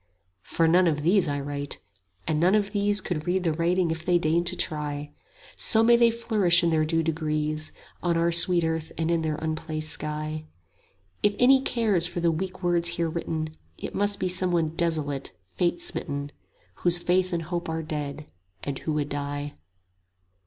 For none of these I write, and none of these Could read the writing if they deigned to try; So may they flourish in their due degrees, On our sweet earth and in their unplaced sky. 25 If any cares for the weak words here written, It must be some one desolate, Fate smitten, Whose faith and hopes are dead, and who would die.